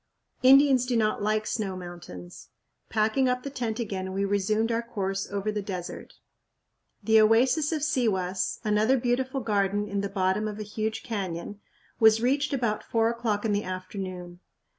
Indians do not like snow mountains. Packing up the tent again, we resumed our course over the desert. The oasis of Sihuas, another beautiful garden in the bottom of a huge canyon, was reached about four o'clock in the afternoon.